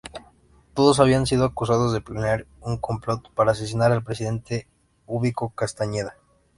Todos habían sido acusados de planear un complot para asesinar al presidente Ubico Castañeda.